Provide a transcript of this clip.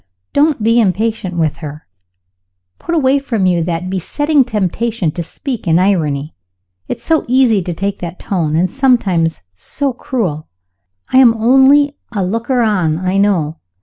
Don't be impatient with her! Put away from you that besetting temptation to speak in irony it is so easy to take that tone, and sometimes so cruel. I am only a looker on, I know.